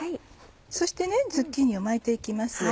そしてズッキーニを巻いて行きます。